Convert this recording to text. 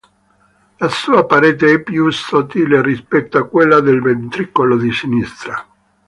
La sua parete è più sottile rispetto a quella del ventricolo di sinistra.